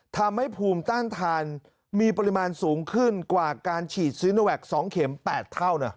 ทำให้ภูมิต้านทานมีปริมาณสูงขึ้นกว่าการฉีดซีโนแวค๒เข็ม๘เท่านะ